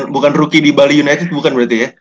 bukan rookie di bali united bukan berarti ya